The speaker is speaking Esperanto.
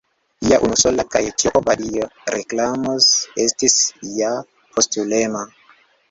Lia unusola kaj ĉiopova dio, Reklamo, estis ja postulema.